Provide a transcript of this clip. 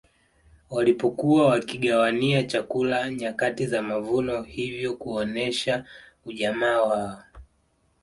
Walipokuwa wakigawania chakula nyakati za mavuno hivyo kuonesha ujamaa wao